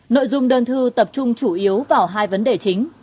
nội dung đơn thư tập trung chủ yếu vào hai vấn đề chính